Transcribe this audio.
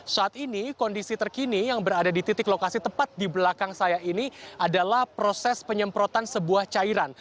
saat ini kondisi terkini yang berada di titik lokasi tepat di belakang saya ini adalah proses penyemprotan sebuah cairan